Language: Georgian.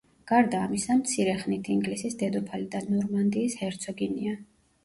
გარდა ამისა მცირე ხნით ინგლისის დედოფალი და ნორმანდიის ჰერცოგინია.